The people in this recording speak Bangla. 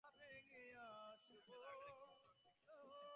সে উঠিয়া দ্বার খোলে, কিন্তু কাহাকেও দেখিতে পায় না।